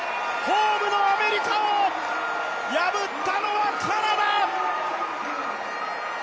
ホームのアメリカを破ったのはカナダ。